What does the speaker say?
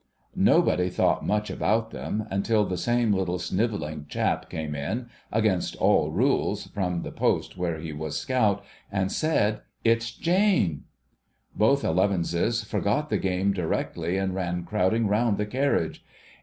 Nobody thought much about them, until the same little snivelling chap came in, against all rules, from the post where he was Scout, and said, ' It's Jane !' Both Elevens forgot the game directly, and ran crowding round the carriage.